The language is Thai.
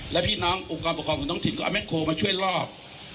แล้วพี่น้องอุปกรณ์ประคองของตรงถิ่นก็เอาแม็กโครมาช่วยรอบ